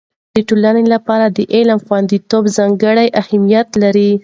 د ټولنې لپاره د علم خوندیتوب ځانګړی اهميت لري.